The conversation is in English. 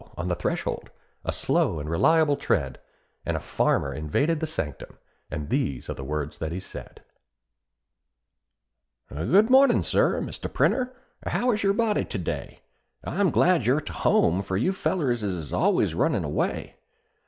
on the threshold, a slow and reliable tread, And a farmer invaded the sanctum, and these are the words that he said: "Good mornin', sir, Mr. Printer; how is your body to day? I'm glad you're to home; for you fellers is al'ays a runnin' away.